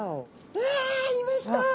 うわいました。